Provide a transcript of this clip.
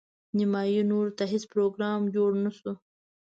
نیمايي نورو ته هیڅ پروګرام جوړ نه شو.